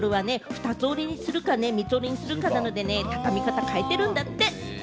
タオルは２つ折りにするか三つ折り型にするかで、畳み方を変えてるんだって。